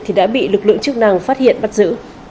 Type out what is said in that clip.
thì đã bị lực lượng chức năng phát hiện bắt giữ